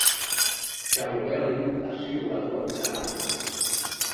Charles Berling assure la voix du narrateur.